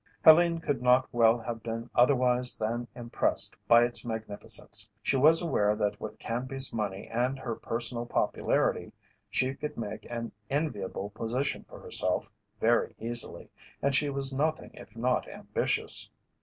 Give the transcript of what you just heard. Helene could not well have been otherwise than impressed by its magnificence. She was aware that with Canby's money and her personal popularity she could make an enviable position for herself very easily, and she was nothing if not ambitious.